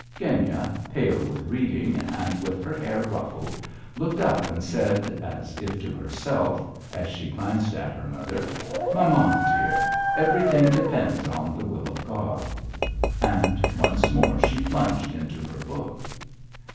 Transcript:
Genya, pale with reading, and with her hair ruffled, looked up and said, as if to herself, as she glanced at her mother: "Mamma, dear, everything depends on the will of God." And once more she plunged into her book.